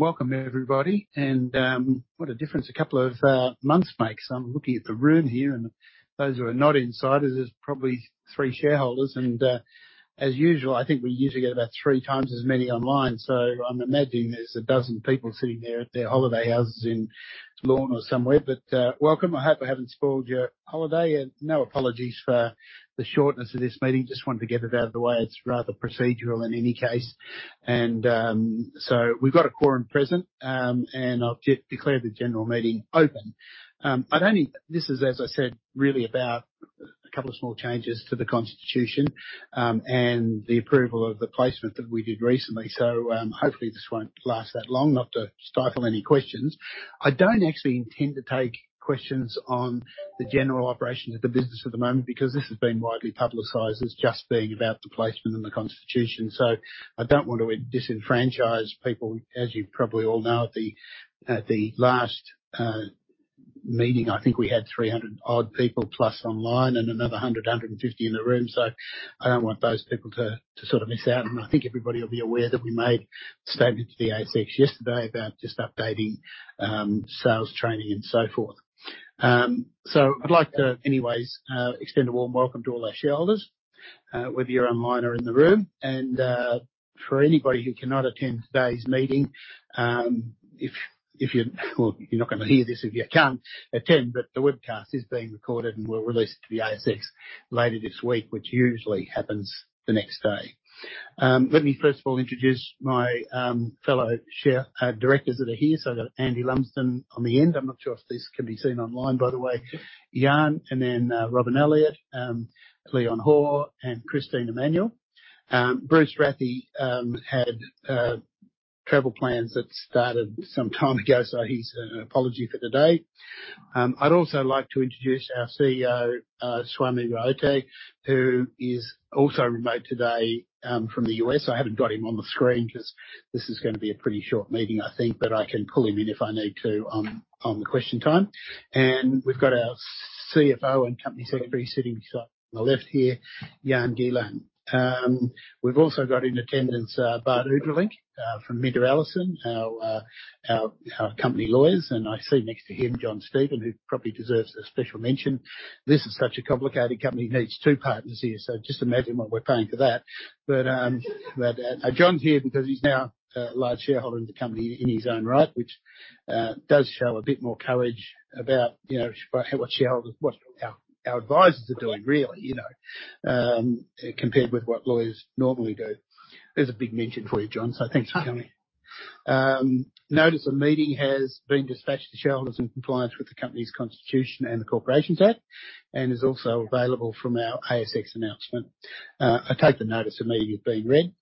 Welcome everybody. What a difference a couple of months makes. I'm looking at the room here, and those who are not insiders, there's probably three shareholders. As usual, I think we usually get about 3 times as many online, so I'm imagining there's 12 people sitting there at their holiday houses in Lorne or somewhere. Welcome. I hope I haven't spoiled your holiday, and no apologies for the shortness of this meeting. Just wanted to get it out of the way. It's rather procedural in any case. We've got a quorum present, and I'll declare the general meeting open. This is, as I said, really about a couple of small changes to the constitution, and the approval of the placement that we did recently. Hopefully, this won't last that long. Not to stifle any questions. I don't actually intend to take questions on the general operations of the business at the moment because this has been widely publicized as just being about the placement in the constitution. I don't want to disenfranchise people. As you probably all know, at the last meeting, I think we had 300 odd people plus online and another 100, 150 in the room. I don't want those people to sort of miss out. I think everybody will be aware that we made a statement to the ASX yesterday about just updating sales training and so forth. I'd like to anyways extend a warm welcome to all our shareholders, whether you're online or in the room. For anybody who cannot attend today's meeting, you're not gonna hear this if you can't attend, but the webcast is being recorded and will release to the ASX later this week, which usually happens the next day. Let me first of all introduce my fellow directors that are here. I've got Andy Lumsden on the end. I'm not sure if this can be seen online, by the way, Jan. Then Robyn Elliott, Leon Hoare, and Christine Emanuel. Bruce Rathie had travel plans that started some time ago, so he's an apology for today. I'd also like to introduce our CEO, Swami Raote, who is also remote today, from the U.S. I haven't got him on the screen because this is gonna be a pretty short meeting, I think, but I can pull him in if I need to on the question time. We've got our CFO and Company Secretary sitting beside on the left here, Jan Gielen. We've also got in attendance Bart Oude-Vrielink from MinterEllison, our company lawyers. I see next to him, John Stevens, who probably deserves a special mention. This is such a complicated company, he needs two partners here. Just imagine what we're paying for that. John's here because he's now a large shareholder in the company in his own right, which does show a bit more courage about, you know, what shareholders, what our advisors are doing, really, you know, compared with what lawyers normally do. There's a big mention for you, John, so thanks for coming. Notice the meeting has been dispatched to shareholders in compliance with the company's constitution and the Corporations Act and is also available from our ASX announcement. I take the notice immediately being read.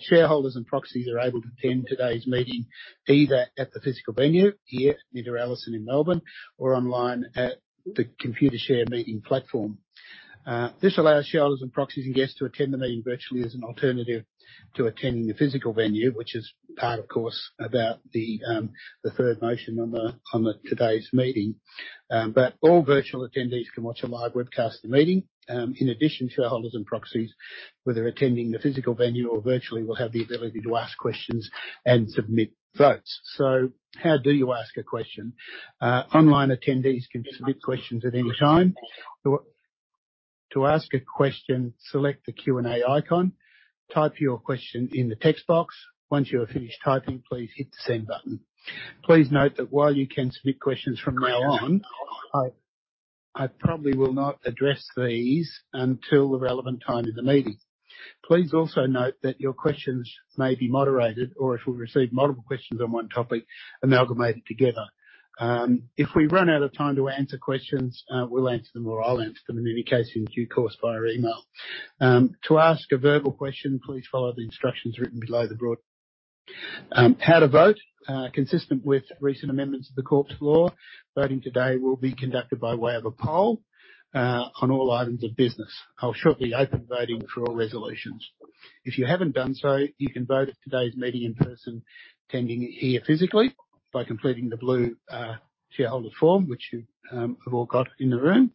Shareholders and proxies are able to attend today's meeting either at the physical venue here at MinterEllison in Melbourne or online at the Computershare meeting platform. This allows shareholders and proxies and guests to attend the meeting virtually as an alternative to attending the physical venue, which is part, of course, about the third motion on the today's meeting. All virtual attendees can watch a live webcast of the meeting. In addition, shareholders and proxies, whether attending the physical venue or virtually, will have the ability to ask questions and submit votes. How do you ask a question? Online attendees can submit questions at any time. To ask a question, select the Q&A icon. Type your question in the text box. Once you have finished typing, please hit the send button. Please note that while you can submit questions from now on, I probably will not address these until the relevant time in the meeting. Please also note that your questions may be moderated or if we receive multiple questions on one topic, amalgamated together. If we run out of time to answer questions, we'll answer them or I'll answer them in any case in due course via email. To ask a verbal question, please follow the instructions written below the board. How to vote. Consistent with recent amendments to the Corp's Law, voting today will be conducted by way of a poll on all items of business. I'll shortly open voting for all resolutions. If you haven't done so, you can vote at today's meeting in person, attending it here physically by completing the blue shareholder form, which you have all got in the room.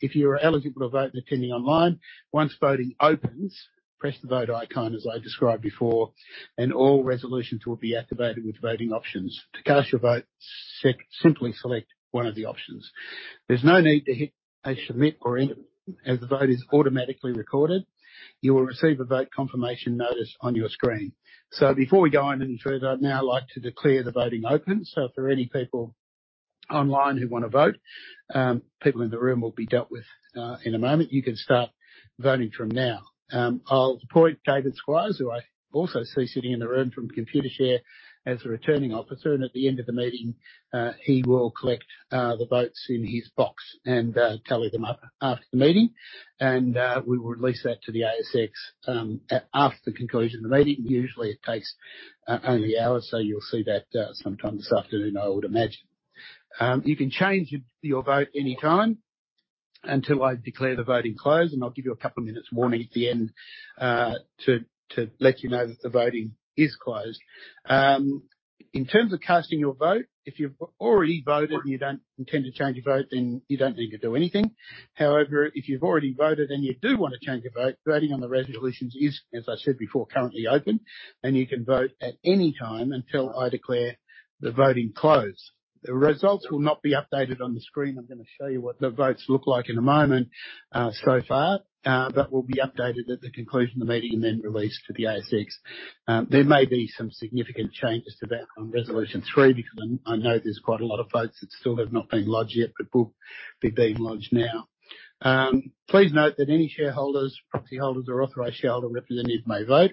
If you are eligible to vote and attending online, once voting opens, press the vote icon as I described before, and all resolutions will be activated with voting options. To cast your vote, simply select one of the options. There's no need to hit a submit or end as the vote is automatically recorded. You will receive a vote confirmation notice on your screen. Before we go on any further, I'd now like to declare the voting open. For any people online who wanna vote, people in the room will be dealt with in a moment. You can start voting from now. I'll appoint David Squires, who I also see sitting in the room from Computershare as the returning officer. At the end of the meeting, he will collect the votes in his box and tally them up after the meeting. We will release that to the ASX after the conclusion of the meeting. Usually, it takes only an hour, so you'll see that sometime this afternoon, I would imagine. You can change your vote anytime until I declare the voting closed, and I'll give you a couple of minutes warning at the end to let you know that the voting is closed. In terms of casting your vote, if you've already voted and you don't intend to change your vote, then you don't need to do anything. However, if you've already voted and you do want to change your vote, voting on the resolutions is, as I said before, currently open, and you can vote at any time until I declare the voting closed. The results will not be updated on the screen. I'm gonna show you what the votes look like in a moment so far. That will be updated at the conclusion of the meeting and then released to the ASX. There may be some significant changes to that on resolution three because I know there's quite a lot of votes that still have not been lodged yet but will be being lodged now. Please note that any shareholders, proxy holders or authorized shareholder representative may vote.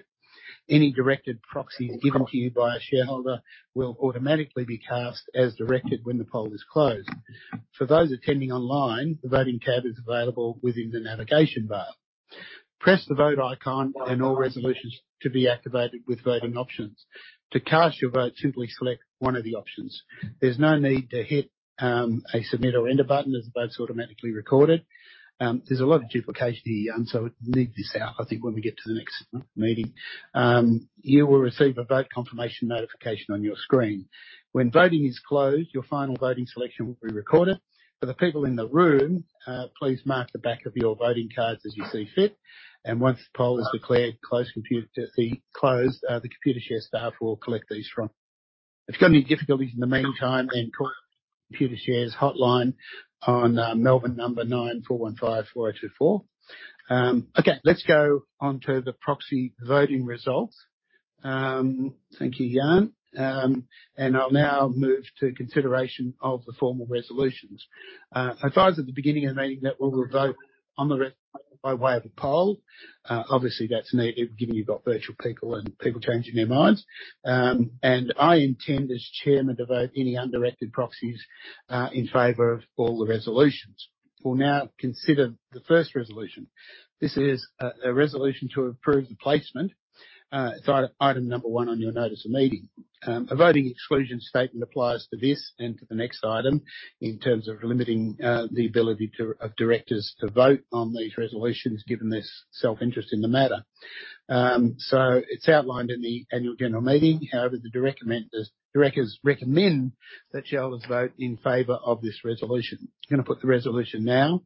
Any directed proxies given to you by a shareholder will automatically be cast as directed when the poll is closed. For those attending online, the voting tab is available within the navigation bar. Press the Vote icon and all resolutions should be activated with voting options. To cast your vote, simply select one of the options. There's no need to hit a Submit or Enter button, as the vote's automatically recorded. There's a lot of duplication here, so we need this out, I think, when we get to the next month meeting. You will receive a vote confirmation notification on your screen. When voting is closed, your final voting selection will be recorded. For the people in the room, please mark the back of your voting cards as you see fit. Once the poll is declared closed, the Computershare staff will collect these from you. If you've got any difficulties in the meantime, then call Computershare's hotline on Melbourne 9415 4824. Okay, let's go on to the proxy voting results. Thank you, Jan. I'll now move to consideration of the formal resolutions. I advised at the beginning of the meeting that we will vote by way of a poll. Obviously that's needed given you've got virtual people and people changing their minds. I intend, as chairman, to vote any undirected proxies in favor of all the resolutions. We'll now consider the first resolution. This is a resolution to approve the placement. It's item number one on your notice of meeting. A voting exclusion statement applies to this and to the next item in terms of limiting the ability of directors to vote on these resolutions, given their self-interest in the matter. It's outlined in the annual general meeting. However, the directors recommend that shareholders vote in favor of this resolution. I'm gonna put the resolution now,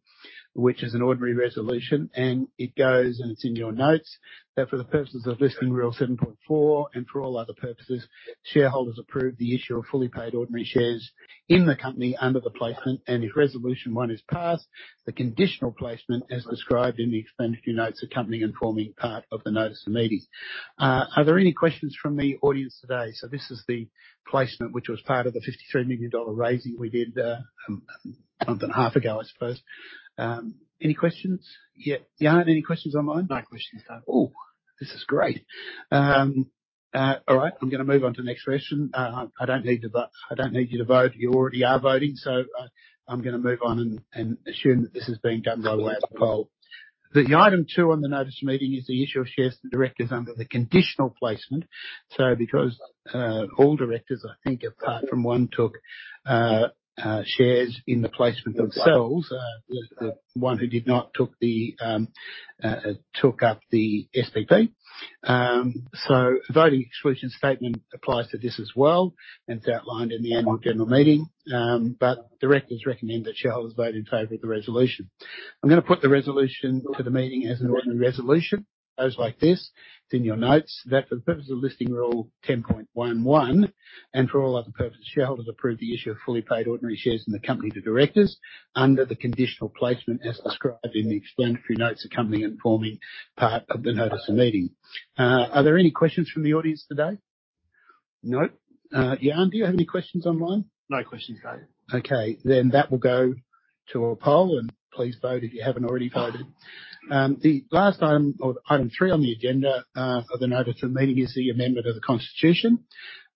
which is an ordinary resolution, and it's in your notes, that for the purposes of Listing Rule 7.4 and for all other purposes, shareholders approve the issue of fully paid ordinary shares in the company under the placement. If resolution one is passed, the conditional placement, as described in the explanatory notes accompanying and forming part of the notice of meeting. Are there any questions from the audience today? This is the placement which was part of the 53 million dollar raising we did, a month and a half ago, I suppose. Any questions? Yeah. Jan, any questions online? No questions, Dave. Oh, this is great. All right. I'm gonna move on to the next question. I don't need you to vote. You already are voting. I'm gonna move on and assume that this is being done by way of the poll. Item two on the notice of meeting is the issue of shares to the directors under the conditional placement. Because, all directors, I think, apart from one, took shares in the placement themselves. The one who did not took up the SPP. Voting exclusion statement applies to this as well, and it's outlined in the annual general meeting. Directors recommend that shareholders vote in favor of the resolution. I'm gonna put the resolution to the meeting as an ordinary resolution. It goes like this, it's in your notes, that for the purpose of Listing Rule 10.11 and for all other purposes, shareholders approve the issue of fully paid ordinary shares in the company to directors under the conditional placement as described in the explanatory notes accompanying and forming part of the notice of meeting. Are there any questions from the audience today? No. Jan, do you have any questions online? No questions, Dave. Okay. That will go to a poll, and please vote if you haven't already voted. The last item or item three on the agenda of the notice of meeting is the amendment of the Constitution.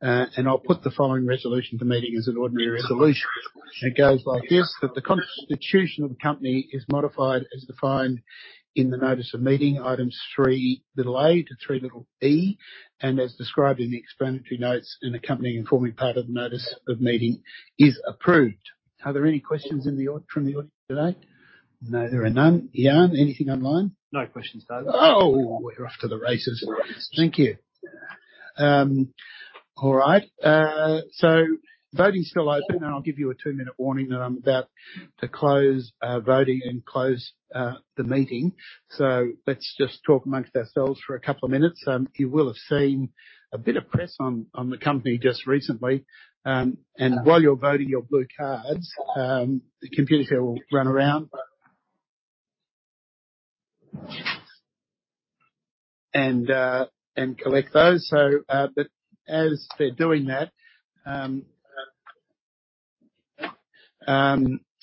I'll put the following resolution to the meeting as an ordinary resolution. It goes like this. That the Constitution of the company is modified as defined in the notice of meeting items three little A to three little E, and as described in the explanatory notes and accompanying forming part of the notice of meeting is approved. Are there any questions from the audience today? No, there are none. Jan, anything online? No questions, Dave. We're off to the races. Thank you. All right. Voting's still open, and I'll give you a two-minute warning that I'm about to close voting and close the meeting. Let's just talk amongst ourselves for a couple of minutes. You will have seen a bit of press on the company just recently. While you're voting your blue cards, the Computershare will run around and collect those. As they're doing that,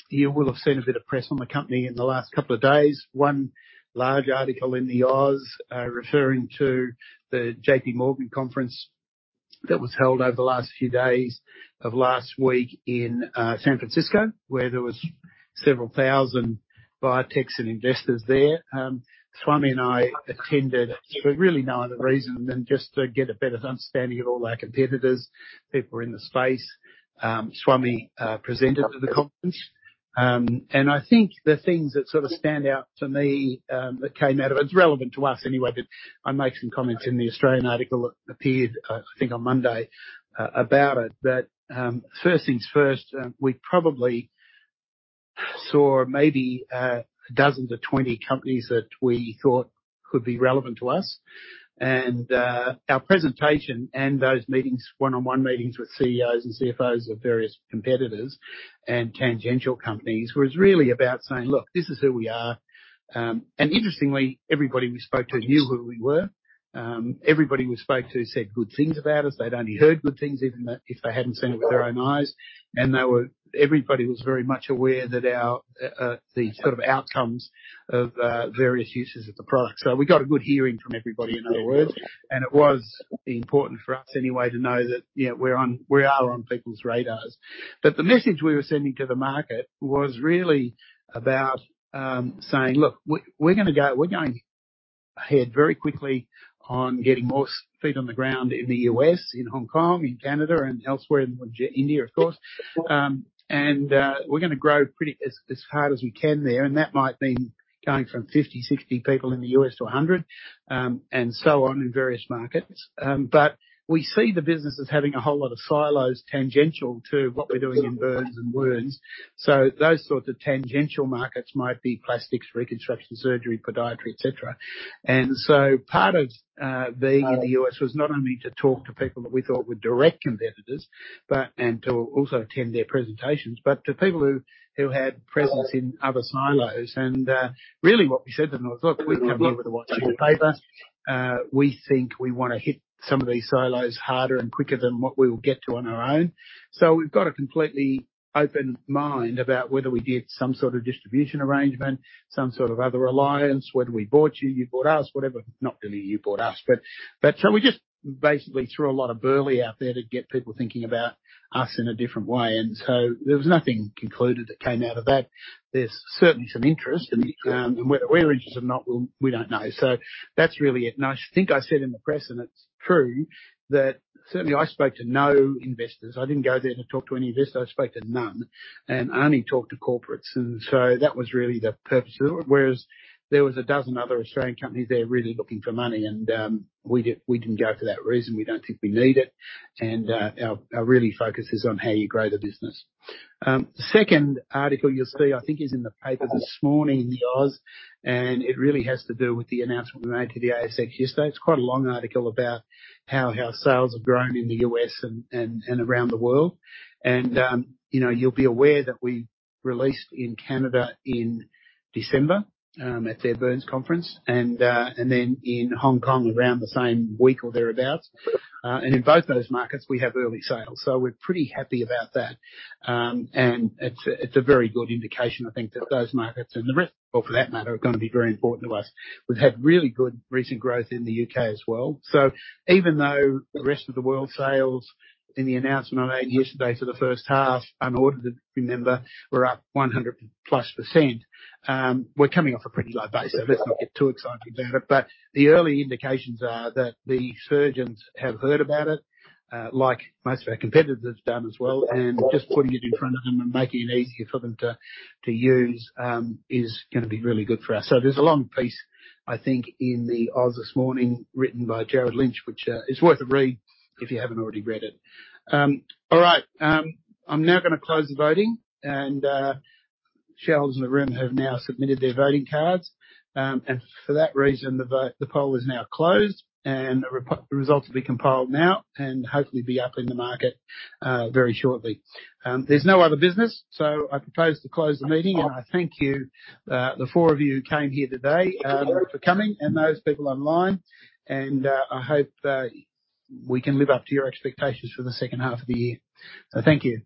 you will have seen a bit of press on the company in the last couple of days. One large article in The Oz, referring to the JPMorgan conference that was held over the last few days of last week in San Francisco, where there was several thousand biotechs and investors there. Swami and I attended for really no other reason than just to get a better understanding of all our competitors, people in the space. Swami Raote presented to the conference. I think the things that sort of stand out to me that came out of it's relevant to us anyway, but I make some comments in The Australian article that appeared, I think on Monday about it. First things first, we probably saw maybe 12-20 companies that we thought could be relevant to us. Our presentation and those meetings, one-on-one meetings with CEOs and CFOs of various competitors and tangential companies, was really about saying, "Look, this is who we are." Interestingly, everybody we spoke to knew who we were. Everybody we spoke to said good things about us. They'd only heard good things, even though if they hadn't seen it with their own eyes. Everybody was very much aware that our the sort of outcomes of various uses of the product. We got a good hearing from everybody, in other words, and it was important for us anyway to know that, you know, we are on people's radars. The message we were sending to the market was really about saying, "Look, we're going ahead very quickly on getting more feet on the ground in the U.S., in Hong Kong, in Canada, and elsewhere, in India, of course." We're gonna grow pretty as hard as we can there, and that might mean going from 50, 60 people in the U.S. To 100 and so on in various markets. We see the business as having a whole lot of silos tangential to what we're doing in burns and wounds. Those sorts of tangential markets might be plastics, reconstruction surgery, podiatry, et cetera. Part of being in the U.S. was not only to talk to people that we thought were direct competitors, and to also attend their presentations, but to people who had presence in other silos. Really what we said to them was, "Look, we've come here with a white sheet of paper. We think we wanna hit some of these silos harder and quicker than what we will get to on our own. We've got a completely open mind about whether we did some sort of distribution arrangement, some sort of other alliance, whether we bought you bought us, whatever." Not really you bought us, but we just basically threw a lot of burly out there to get people thinking about us in a different way. There was nothing concluded that came out of that. There's certainly some interest, and whether we're interested or not, we don't know. That's really it. I think I said in the press, and it's true, that certainly I spoke to no investors. I didn't go there to talk to any investors. I spoke to none, and I only talked to corporates. That was really the purpose of it. There was 12 other Australian companies there really looking for money, we didn't go for that reason. We don't think we need it. Our really focus is on how you grow the business. Second article you'll see, I think is in the paper this morning, The Oz, it really has to do with the announcement we made to the ASX yesterday. It's quite a long article about how our sales have grown in the U.S. and around the world. You know, you'll be aware that we released in Canada in December, at their burns conference and then in Hong Kong around the same week or thereabout. In both those markets we have early sales, so we're pretty happy about that. It's, it's a very good indication, I think, that those markets and the rest of them, for that matter, are gonna be very important to us. We've had really good recent growth in the UK as well. Even though the rest of the world sales in the announcement I made yesterday for the first half, unaudited, remember, we're up 100+%, we're coming off a pretty low base, so let's not get too excited about it. The early indications are that the surgeons have heard about it, like most of our competitors have done as well, and just putting it in front of them and making it easier for them to use, is gonna be really good for us. There's a long piece, I think, in The Oz this morning written by Jared Lynch, which is worth a read if you haven't already read it. All right. I'm now gonna close the voting, and shareholders in the room have now submitted their voting cards. For that reason, the poll is now closed, and the results will be compiled now and hopefully be up in the market very shortly. There's no other business, I propose to close the meeting, and I thank you, the four of you who came here today, for coming and those people online, and I hope we can live up to your expectations for the second half of the year. Thank you.